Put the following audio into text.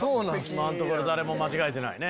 今のところ誰も間違えてないね。